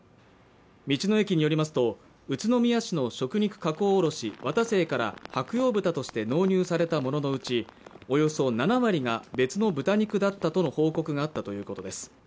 道の駅によりますと宇都宮市の食肉加工卸は渡清から白楊豚として納入されたもののうちおよそ７割が別の豚肉だったとの報告があったということです